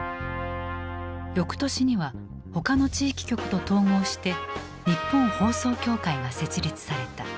翌年には他の地域局と統合して「日本放送協会」が設立された。